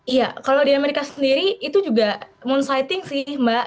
iya kalau di amerika sendiri itu juga monsiting sih mbak